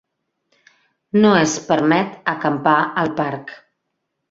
No es permet acampar al parc.